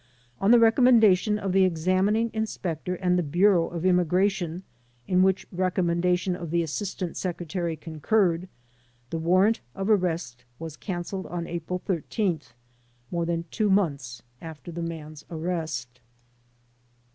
On recommendation of the examining in spector and the Bureau of Immigration, in which rec ommendation the Assistant Secretary concurred, the war rant of arrest was cancelled on April 13th, more than two months after the man's arrest.